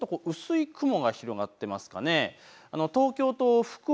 関東はちょっと薄い雲が広がっていますかね。